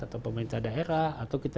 atau pemerintah daerah atau kita